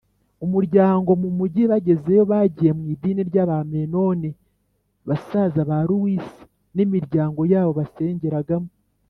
umuryango mu mugi Bagezeyo bagiye mu idini ry Abamenoni basaza ba Luisa n imiryango yabo basengeragamo